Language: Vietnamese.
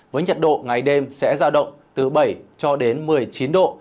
với nhiệt độ ngày đêm sẽ ra động từ bảy cho đến một mươi chín độ